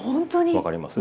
分かります？